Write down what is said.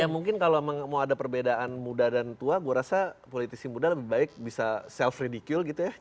ya mungkin kalau mau ada perbedaan muda dan tua gue rasa politisi muda lebih baik bisa self redicule gitu ya